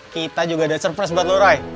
kita juga ada surprise buat lo roy